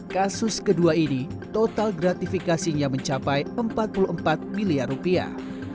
kasus kedua ini total gratifikasinya mencapai empat puluh empat miliar rupiah